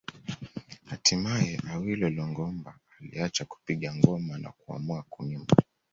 Hatimaye Awilo Longomba aliacha kupiga ngoma na kuamua kuimba